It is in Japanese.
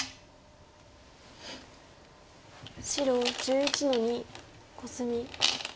白１１の二コスミ。